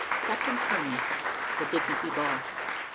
CAPTAIN KEARNEY THE DIGNITY BALL.